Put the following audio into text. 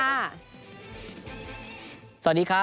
สวัสดีครับ